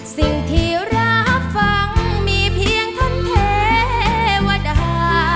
สิ่งที่รับฟังมีเพียงท่านเทวดา